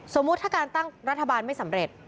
สมมุติถ้าการตั้งรัฐบาลไม่สำเร็จ